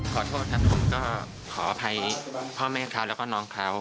ขอโทษครับผมก็ขออภัยพ่อแม่คร้าวและน้องคร้าว